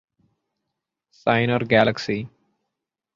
Sinar Galaxy.